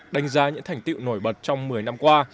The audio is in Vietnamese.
đánh giá những thành tiệu nổi bật trong một mươi năm qua